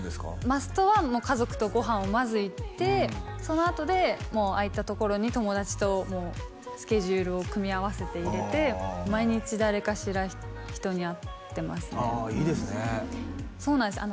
マストは家族とご飯をまず行ってそのあとで空いたところに友達とスケジュールを組み合わせて入れて毎日誰かしら人に会ってますねああいいですねそうなんですよ